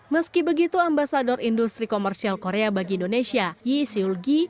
meski begitu ambasador industri komersial korea bagi indonesia yi siulgi